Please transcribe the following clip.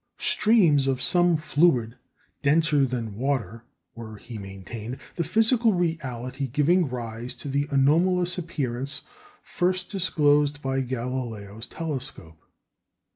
Streams of some fluid denser than water were, he maintained, the physical reality giving rise to the anomalous appearance first disclosed by Galileo's telescope.